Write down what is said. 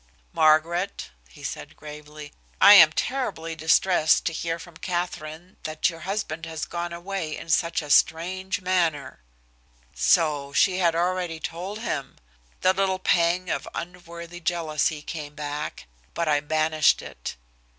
"Margaret," he said gravely, "I am terribly distressed to hear from Katherine that your husband has gone away in such a strange manner." So she had already told him! The little pang of unworthy jealousy came back, but I banished it.